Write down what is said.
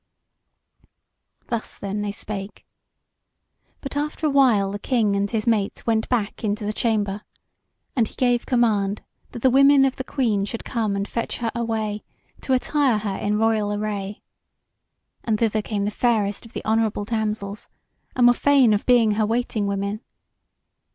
Thus, then, they spake; but after a while the King and his mate went back into the chamber, and he gave command that the women of the Queen should come and fetch her away, to attire her in royal array. And thither came the fairest of the honourable damsels, and were fain of being her waiting women.